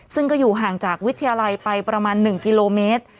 ซึ่งก็อยู่ห่างจากวิทยาลัยไปประมาณ๑กิโลเมตร